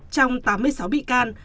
trong tám mươi sáu bị can